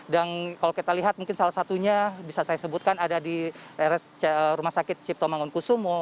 dan kalau kita lihat mungkin salah satunya bisa saya sebutkan ada di rumah sakit ciptomangon kusumo